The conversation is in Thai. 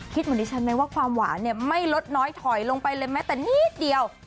เหมือนดิฉันไหมว่าความหวานเนี่ยไม่ลดน้อยถอยลงไปเลยแม้แต่นิดเดียว